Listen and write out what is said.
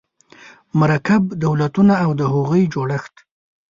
مرکب دولتونه او د هغوی جوړښت